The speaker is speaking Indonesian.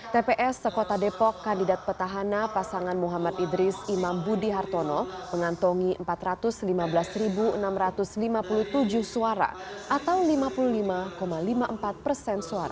tps sekota depok kandidat petahana pasangan muhammad idris imam budi hartono mengantongi empat ratus lima belas enam ratus lima puluh tujuh suara atau lima puluh lima lima puluh empat persen suara